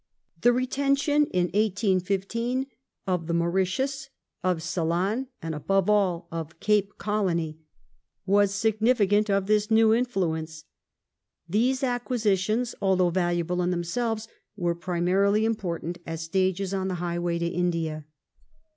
The retention in 1815 of the Mauri tius, of Ceylon, and above all, of Cape Colony, was significant of this new influence. These acquisitions, although valuable in themselves, were primarily important as stages on the highway to India.